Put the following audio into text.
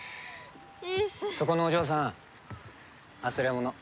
そこのお嬢さん忘れ物。